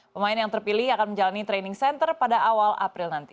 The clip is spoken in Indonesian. pemain yang terpilih akan menjalani training center pada awal april nanti